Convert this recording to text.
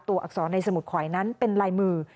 อักษรในสมุดขวายนั้นเป็นลายมือ